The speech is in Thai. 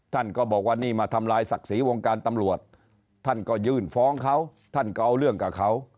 ท่านก็บอกว่านี่มาทำลายศักดิ์ศรีวงการตำรวจท่านก็ยื่นฟ้องเขาท่านก็เอาเรื่องกับเขา